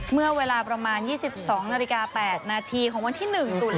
เมื่อเวลาประมาณ๒๒นาฬิกา๘นาทีของวันที่๑ตุลา